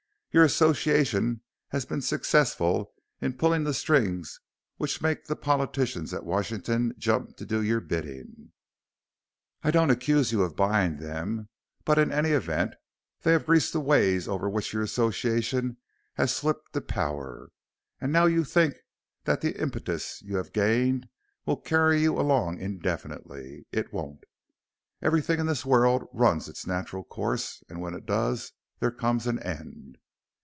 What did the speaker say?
Your Association has been successful in pulling the strings which make the politicians at Washington jump to do your bidding. I don't accuse you of buying them, but in any event they have greased the ways over which your Association has slipped to power. And now you think that the impetus you have gained will carry you along indefinitely. It won't. Everything in this world runs its natural course and when it does there comes an end.